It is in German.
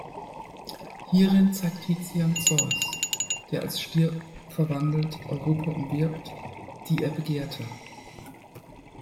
Hierin zeigt Tizian Zeus, der als Stier verwandelt Europa umwirbt, die er begehrte.